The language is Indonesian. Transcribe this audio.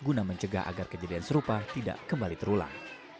guna mencegah agar kejadian serupa tidak kembali terulang